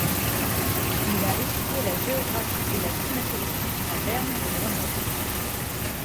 Il a étudié la géographie et la climatologie à Berne et Grenoble.